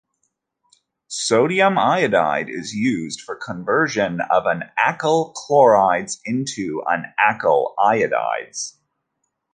Sodium iodide is used for conversion of an alkyl chlorides into an alkyl iodides.